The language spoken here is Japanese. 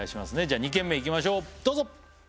じゃあ２軒目いきましょうどうぞ！